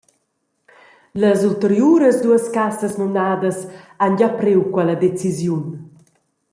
Las ulteriuras duas cassas numnadas han gia priu quella decisiun.